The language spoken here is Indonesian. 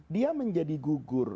dia menjadi gugur